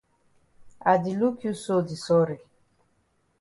I di look you so di sorry.